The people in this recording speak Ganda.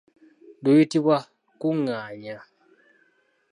Luyitibwa Kungaanya.